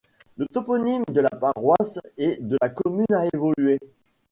Le toponyme de la paroisse et de la commune a évolué.